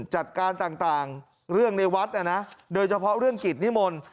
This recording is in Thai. จัดการต่างเรื่องในวัดโดยเฉพาะเรื่องกิจนิมนต์